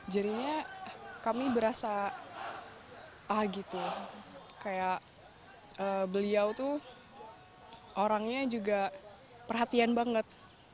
jadinya kami berasa ah gitu kayak beliau tuh orangnya juga perhatian banget